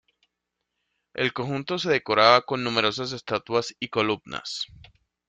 El conjunto se decoraba con numerosas estatuas y columnas.